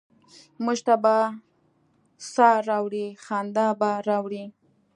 موږ ته به سا ه راوړي، خندا به راوړي؟